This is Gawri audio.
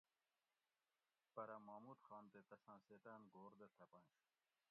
پرہ محمود خان تے تساۤں سیتاۤن گھور دہ ڷۤپنش